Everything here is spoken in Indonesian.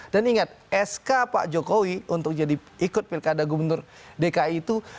dan ingat eska pak jokowi untuk ikut pilihan kandang gubernur dki itu